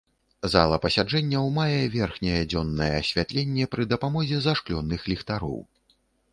Зала пасяджэнняў мае верхняе дзённае асвятленне пры дапамозе зашклёных ліхтароў.